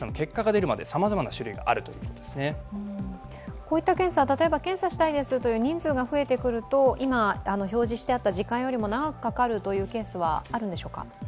こういった検査、例えば検査したいですという人数が増えてくると、今、表示してあった時間よりも長くかかるというケースはあるんでしょうか。